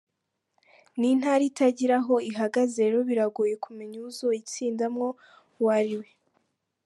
Ni intara itagira aho ihagaze rero biragoye kumenya uwuzoyitsindamwo uwo ari we.